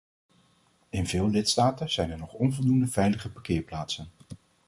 In veel lidstaten zijn er nog onvoldoende veilige parkeerplaatsen.